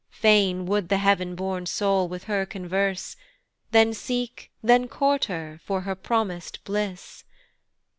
Fain would the heav'n born soul with her converse, Then seek, then court her for her promis'd bliss.